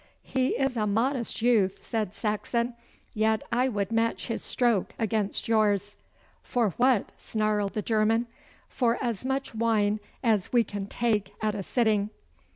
'He is a modest youth,' said Saxon. 'Yet I would match his stroke against yours.' 'For what?' snarled the German. 'For as much wine as we can take at a sitting.